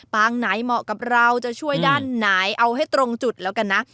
งไหนเหมาะกับเราจะช่วยด้านไหนเอาให้ตรงจุดแล้วกันนะ